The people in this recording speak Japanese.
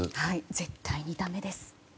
絶対にダメです。